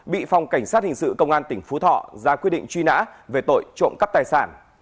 bị phòng cảnh sát hình sự công an tỉnh phú thọ ra quyết định truy nã về tội trộm cắp tài sản